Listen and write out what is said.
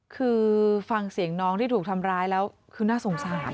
คือฟังเสียงน้องที่ถูกทำร้ายแล้วคือน่าสงสาร